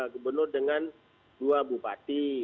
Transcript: gubernur dengan dua bupati